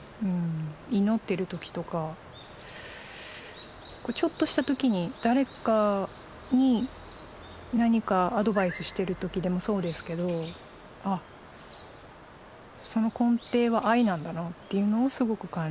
祈ってる時とかちょっとした時に誰かに何かアドバイスしてる時でもそうですけどああその根底は愛なんだなっていうのをすごく感じました。